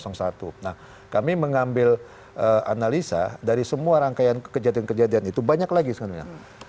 nah kami mengambil analisa dari semua rangkaian kejadian kejadian itu banyak lagi sebenarnya